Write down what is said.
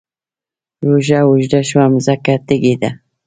روژه اوږده شوه مځکه تږې ده